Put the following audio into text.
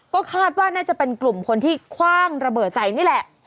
ก็คาดว่าน่าจะเป็นกลุ่มคนที่คว่างระเบิดใส่นี่แหละ